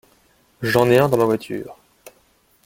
J’en ai un dans ma voiture.